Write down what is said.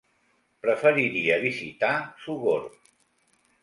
Preferiria visitar Sogorb.